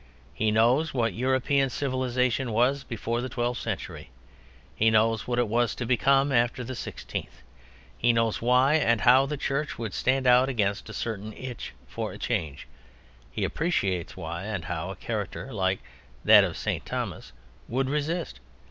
He knows what European civilization was before the twelfth century. He knows what it was to become after the sixteenth. He knows why and how the Church would stand out against a certain itch for change. He appreciates why and how a character like that of St. Thomas would resist.